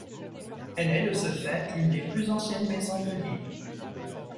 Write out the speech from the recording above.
Elle est de ce fait l'une des plus anciennes maisons de Lille.